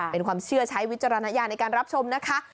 เป็นความเชื่อใช้วิจารณญาณในการรับชมนะคะ